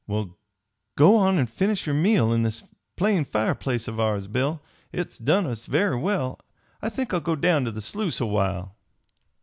"Well, go on and finish your meal in this plain fireplace of ours, Bill. It has done us very well. I think I'll go down to the sluice a while."